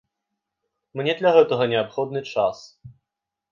Мне для гэтага неабходны час.